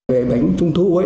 về bánh trung thu ấy